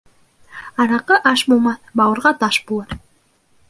Араҡы аш булмаҫ, бауырға таш булыр.